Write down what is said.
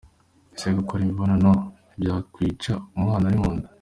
Ese gukora imibonano ntibyakwica umwana uri munda ?.